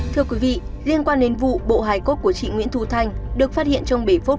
thưa quý vị liên quan đến vụ bộ hài cốt của chị nguyễn thu thanh được phát hiện trong bảy phút